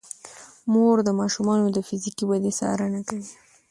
مور د ماشومانو د فزیکي ودې څارنه کوي.